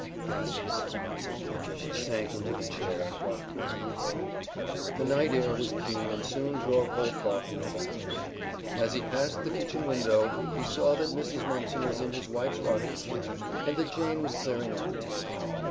gasped Mrs. Mumpson, as she sank into the chair and rocked violently. The night air was keen and soon drove Holcroft into the house. As he passed the kitchen window, he saw that Mrs. Mumpson was in his wife's rocking chair and that Jane was clearing up the table.